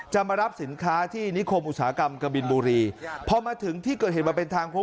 มารับสินค้าที่นิคมอุตสาหกรรมกะบินบุรีพอมาถึงที่เกิดเหตุมันเป็นทางพบ